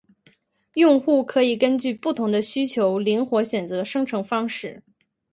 用户可以根据不同的需求灵活选择生成方式